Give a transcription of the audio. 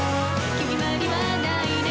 「決まりはないね」